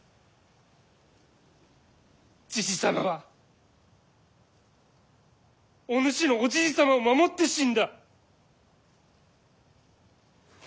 じじ様はお主のおじい様を守って死んだ。